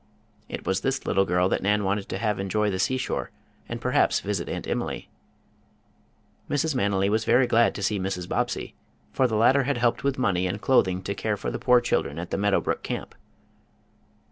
It was this little girl that Nan wanted to have enjoy the seashore, and perhaps visit Aunt Emily. Mrs. Manily was very glad to see Mrs. Bobbsey, for the latter had helped with money and clothing to care for the poor children at the Meadow Brook Camp.